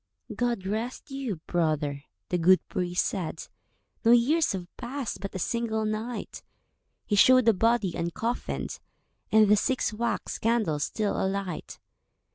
"God rest you, brother," the good priest said, "No years have passed—but a single night." He showed the body uncoffinèd, And the six wax candles still alight.